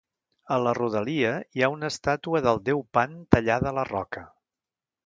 A la rodalia, hi ha una estàtua del déu Pan tallada a la roca.